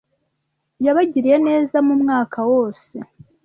yabagiriye neza mu mwaka wose,